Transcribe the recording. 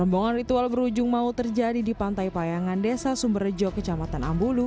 rombongan ritual berujung mau terjadi di pantai payangan desa sumberjo kecamatan ambulu